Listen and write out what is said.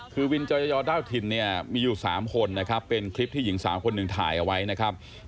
คือวินจอยอเจ้าถิ่นเนี่ยมีอยู่๓คนนะครับเป็นคลิปที่หญิงสาวคนหนึ่งถ่ายเอาไว้นะครับ